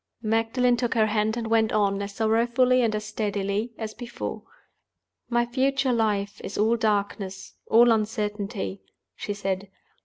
Magdalen took her hand and went on, as sorrowfully and as steadily as before. "My future life is all darkness, all uncertainty," she said.